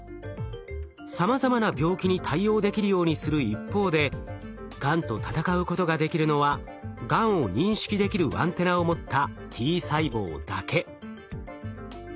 さまざまな病気に対応できるようにする一方でがんと闘うことができるのはがんを認識できるアンテナを持ったＴ細胞だけ。